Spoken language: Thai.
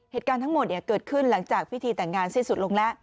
เหตุการณ์ทั้งหมดเกิดขึ้นหลังจากพิธีแต่งงานสิ้นสุดลงแล้ว